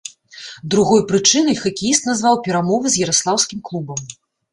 Другой прычынай хакеіст назваў перамовы з яраслаўскім клубам.